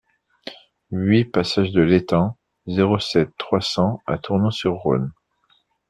huit passage de l'Étang, zéro sept, trois cents à Tournon-sur-Rhône